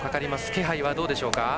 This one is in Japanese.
気配はどうでしょうか。